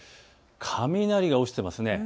雷が落ちています。